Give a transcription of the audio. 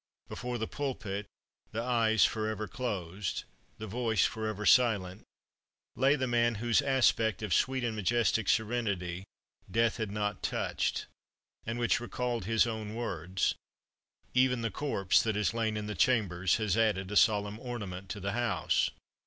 Before the pulpit the eyes forever closed, the voice forever silent lay the man whose aspect of sweet and majestic serenity Death had not touched, and which recalled his own words: "Even the corpse that has lain in the chambers has added a solemn ornament to the house."